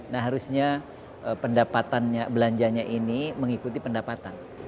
nah harusnya pendapatannya belanjanya ini mengikuti pendapatan